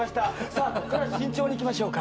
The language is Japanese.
さあここからは慎重にいきましょうか。